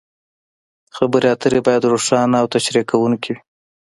خبرې اترې باید روښانه او تشریح کوونکې وي.